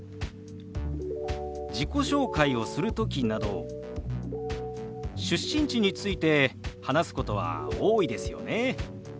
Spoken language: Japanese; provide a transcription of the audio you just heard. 自己紹介をする時など出身地について話すことは多いですよね。